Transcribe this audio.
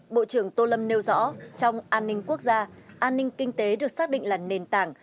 bộ trưởng tô lâm nêu rõ trong an ninh quốc gia an ninh kinh tế được xác định là nền tảng